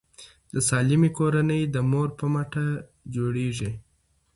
د سالمې کورنۍ د مور په مټه جوړیږي.